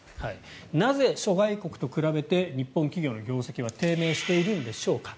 なぜ諸外国と比べて日本企業の業績は低迷しているんでしょうか。